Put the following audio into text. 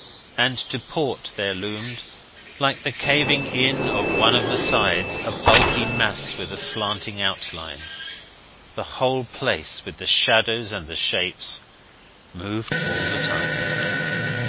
And to port there loomed, like the caving in of one of the sides, a bulky mass with a slanting outline. The whole place, with the shadows and the shapes, moved all the time.